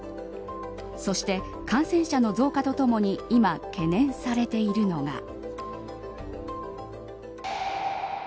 そして、感染者の増加とともに今、懸念されているのが。